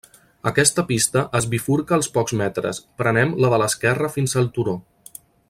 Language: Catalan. Aquesta pista es bifurca als pocs metres, prenem la de l'esquerra fins al turó.